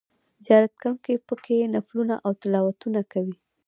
زیارت کوونکي په کې نفلونه او تلاوتونه کوي.